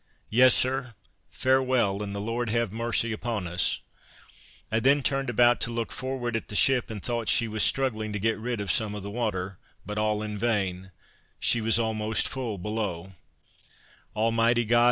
"Yes, Sir, farewell, and the Lord have mercy upon us!" I then turned about to look forward at the ship; and thought she was struggling to get rid of some of the water; but all in vain, she was almost full below "Almighty God!